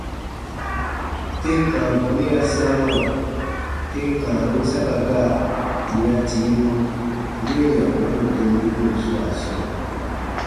Tem kãa bɔnu ya sãawa tem kãarun saka gaa yè ya tii mɔ yen yarumani dendibun swaa sɔɔ.